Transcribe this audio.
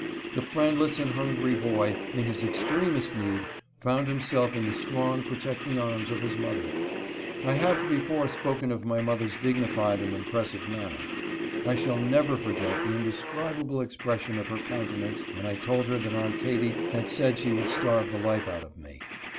The friendless and hungry boy, in his extremest need, found^irnnself in —the strongs protecting arms of his moTRer. I have before spoken of my mother's dignified 'find impressive manner. I shall never forget the inde scribable expression of her countenance when I told her that Aunt Katy had said she would starve the life out of me.